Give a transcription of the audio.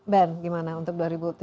band gimana untuk dua ribu tujuh belas